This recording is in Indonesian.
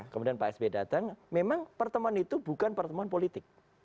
kemudian pak sby datang memang pertemuan itu bukan pertemuan politik